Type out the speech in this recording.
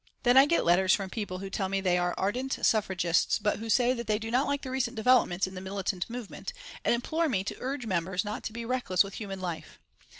Then I get letters from people who tell me that they are ardent suffragists but who say that they do not like the recent developments in the militant movement, and implore me to urge the members not to be reckless with human life.